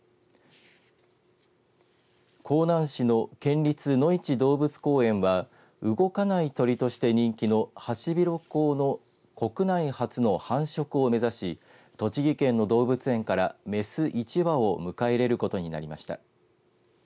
香南市の県立のいち動物公園は動かない鳥として人気のハシビロコウの国内初の繁殖を目指し栃木県の動物園から雌１羽を迎え入れることになりました。